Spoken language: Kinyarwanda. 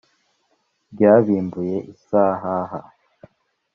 ryabimbuye isahaha